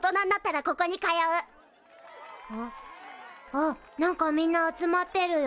あっ何かみんな集まってるよ。